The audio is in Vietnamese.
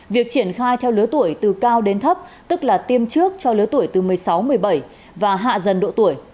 việc triển khai theo lứa tuổi từ cao đến thấp tức là tiêm trước cho lứa tuổi từ một mươi sáu một mươi bảy và hạ dần độ tuổi